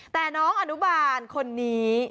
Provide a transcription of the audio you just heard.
แต่น้องอนุบาลคนนี้